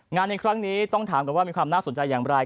ในครั้งนี้ต้องถามก่อนว่ามีความน่าสนใจอย่างไร